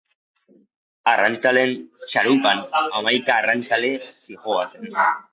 Arrantzaleen txalupan hamaika arrantzale zihoazen.